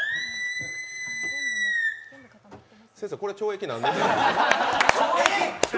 先生、これ、懲役何年？